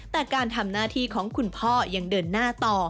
แต่การทำหน้าที่ของคุณพ่อยังเดินหน้าต่อ